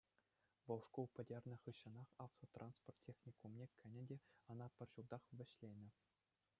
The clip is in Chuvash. Вӑл шкул пӗтернӗ хыҫҫӑнах автотранспорт техникумне кӗнӗ те ӑна пӗр ҫултах вӗҫленӗ.